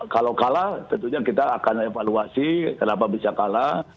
kalau kalah tentunya kita akan evaluasi kenapa bisa kalah